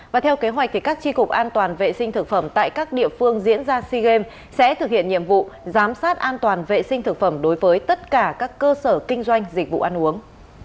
và theo kế hoạch các tri cục an toàn vệ sinh thực phẩm tại các địa phương diễn ra sea games sẽ thực hiện nhiệm vụ giám sát an toàn vệ sinh thực phẩm đối với tất cả các cơ sở kinh doanh dịch vụ ăn uống